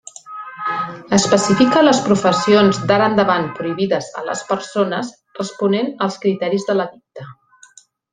Especifica les professions d'ara endavant prohibides a les persones responent als criteris de l'edicte.